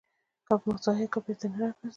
که مو ضایع کړ، بېرته نه راګرځي.